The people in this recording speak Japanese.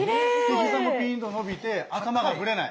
膝もピンッと伸びて頭がブレない！